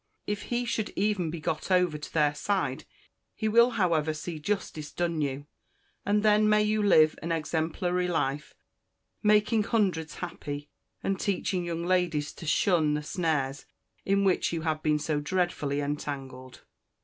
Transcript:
If he should even be got over to their side, he will however see justice done you; and then may you live an exemplary life, making hundreds happy, and teaching young ladies to shun the snares in which you have been so dreadfully entangled.